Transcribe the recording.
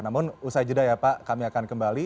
namun usai jeda ya pak kami akan kembali